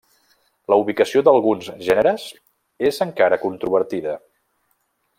La ubicació d'alguns gèneres és encara controvertida.